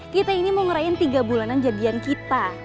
kita ini mau ngerain tiga bulanan jadian kita